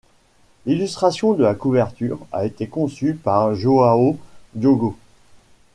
L'illustration de la couverture a été conçue par João Diogo.